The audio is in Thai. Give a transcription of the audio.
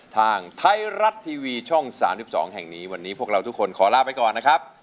ทางไทยรัฐทีวีช่อง๓๒แห่งนี้วันนี้พวกเราทุกคนขอลาไปก่อนนะครับ